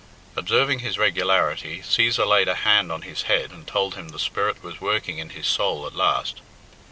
Observing his regularity, Cæsar laid a hand on his head and told him the Spirit was working in his soul at last.